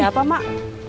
ada apa mak